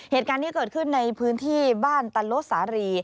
เหตุการณ์นี้เกิดขึ้นในพื้นที่บ้านตะโลสารี